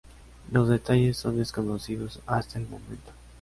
Los detalles son desconocidos hasta el momento.